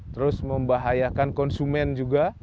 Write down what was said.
terus membahayakan konsumen juga